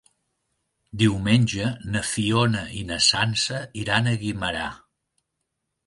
Diumenge na Fiona i na Sança iran a Guimerà.